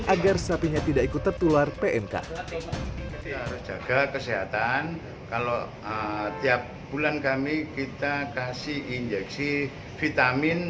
agar sapinya tidak ikut tertular pnk kesehatan kalau tiap bulan kami kita kasih injeksi vitamin